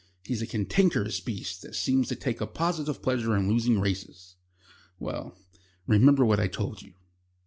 He's a cantankerous beast that seems to take a positive pleasure in losing races." "Well, remember what I told you...."